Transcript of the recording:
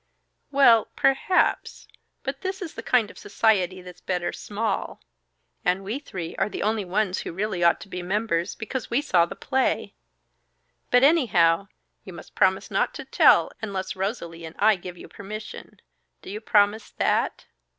"Well perhaps but this is the kind of society that's better small. And we three are the only ones who really ought to be members, because we saw the play. But anyhow; you must promise not to tell unless Rosalie and I give you permission. Do you promise that?"